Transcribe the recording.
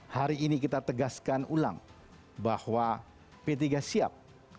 hari ini kita tegaskan ulang bahwa p tiga siap